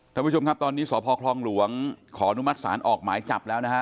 ท่านผู้ชมครับตอนนี้สพคลองหลวงขออนุมัติศาลออกหมายจับแล้วนะฮะ